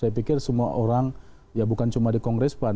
saya pikir semua orang ya bukan cuma di kongres pan